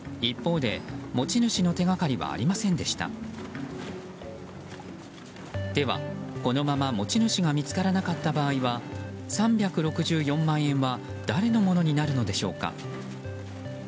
では、このまま持ち主が見つからなかった場合は３６４万円は誰のものになるのでしょうか。